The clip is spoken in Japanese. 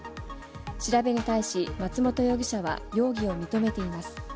調べに対し、松本容疑者は容疑を認めています。